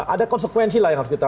ada konsekuensi lah yang harus kita